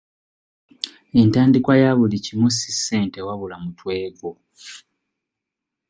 Entandikwa ya buli kimu si ssente wabula mutwe gwo.